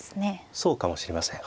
そうかもしれません。